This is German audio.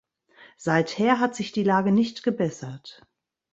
Seither hat sich die Lage nicht gebessert.